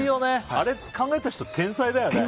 あれ考えた人、天才だよね。